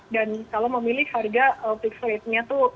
dan kalau memilih harga fixed rate nya tuh